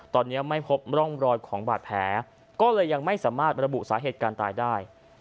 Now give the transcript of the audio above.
ตอนนี้ไม่พบร่องรอยของบาดแผลก็เลยยังไม่สามารถระบุสาเหตุการตายได้